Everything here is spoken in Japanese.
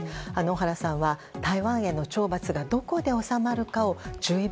小原さんは台湾への懲罰がどこで収まるかを注意